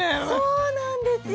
そうなんですよ。